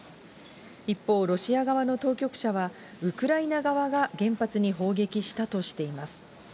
一方、ロシア側の当局者はウクライナ側が原発に砲撃したとしています。